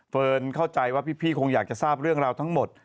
เข้าใจว่าพี่คงอยากจะทราบเรื่องราวทั้งหมด